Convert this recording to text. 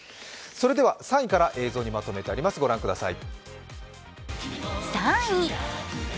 それでは３位から映像にまとめてあります、ご覧ください。